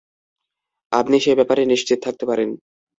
আপনি সে ব্যাপারে নিশ্চিত থাকতে পারেন।